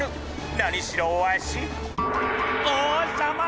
なにしろわしおうさまだから！